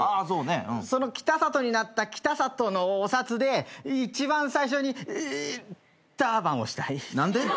その北里になった北里のお札で一番最初にターバンをしたい。